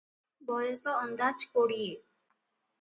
ବୟସ ଅନ୍ଦାଜ କୋଡ଼ିଏ ।